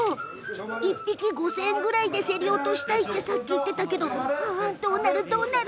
１匹５０００円ぐらいで競り落としたいってさっき言っていたけどどうなる、どうなる？